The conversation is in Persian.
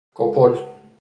کپل